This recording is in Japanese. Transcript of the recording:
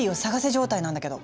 状態なんだけど。